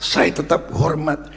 saya tetap hormat